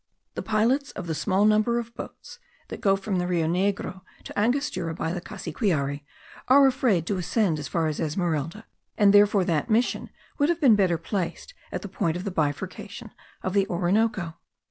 The pilots of the small number of boats that go from the Rio Negro to Angostura by the Cassiquiare are afraid to ascend as far as Esmeralda, and therefore that mission would have been much better placed at the point of the bifurcation of the Orinoco.